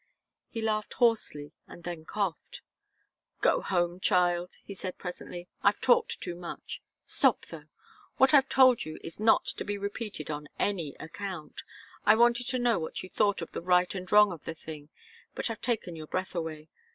He laughed hoarsely and then coughed. "Go home, child," he said, presently. "I've talked too much. Stop, though. What I've told you is not to be repeated on any account. I wanted to know what you thought of the right and wrong of the thing but I've taken your breath away.